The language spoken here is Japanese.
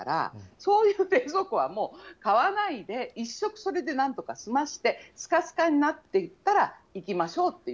そういう冷蔵庫は、もう買わないで、１食それでなんとか済ませて、すかすかになっていったら行きましょうっていう。